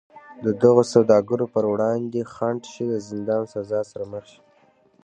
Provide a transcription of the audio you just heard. د دغو سوداګرو پر وړاندې خنډ شي د زندان سزا سره مخ شي.